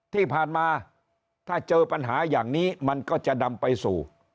ที่ผ่านมาถ้าเจอปัญหาอย่างนี้มันก็จะนำไปสู่